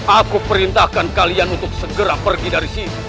aku perintahkan kalian untuk segera pergi dari sini